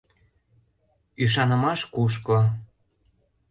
Ӱшанымаш кушко.